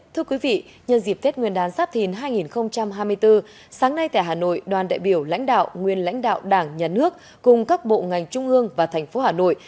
thưa quý vị nhân dịp tết nguyên đán giáp thìn hai nghìn hai mươi bốn sáng nay tại hà nội đoàn đại biểu lãnh đạo nguyên lãnh đạo đảng nhà nước cùng các bộ ngành trung ương và thành phố hà nội